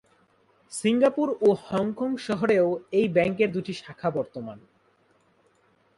Singapore ও Hong Kong শহরেও এই ব্যাংকের দুটি শাখা বর্তমান।